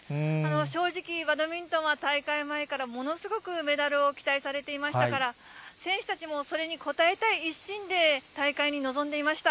正直、バドミントンは大会前からものすごくメダルを期待されていましたから、選手たちもそれに応えたい一心で大会に臨んでいました。